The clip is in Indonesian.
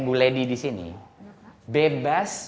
bu ledi di sini bebas